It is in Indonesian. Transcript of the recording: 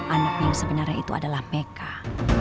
anaknya yang sebenarnya itu adalah farah